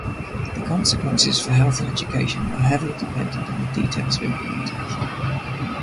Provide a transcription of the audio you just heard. The consequences for health and education are heavily dependent on details of implementation.